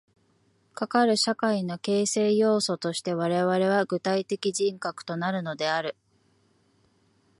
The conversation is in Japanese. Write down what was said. かかる社会の形成要素として我々は具体的人格となるのである。